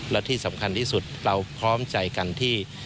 และที่สำคัญที่สุดเราพร้อมใจกันที่